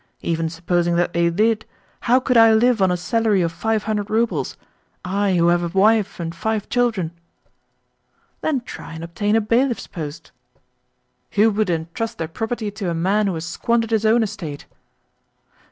Even supposing that they did, how could I live on a salary of five hundred roubles I who have a wife and five children?" "Then try and obtain a bailiff's post." "Who would entrust their property to a man who has squandered his own estate?"